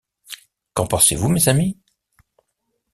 Qu’en pensez-vous, mes amis